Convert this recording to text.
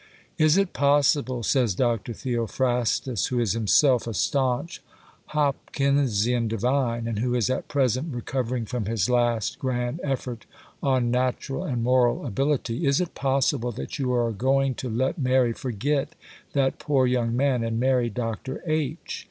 'Is it possible,' says Dr. Theophrastus, who is himself a stanch Hopkinsian divine, and who is at present recovering from his last grand effort on Natural and Moral Ability,—'is it possible that you are going to let Mary forget that poor young man and marry Dr. H.?